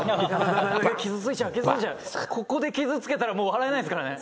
「ここで傷つけたらもう笑えないですからね」